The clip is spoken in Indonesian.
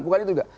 bukan itu enggak